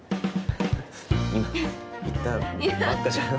今言ったばっかじゃん。